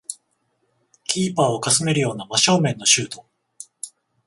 キーパーをかすめるような真正面のシュート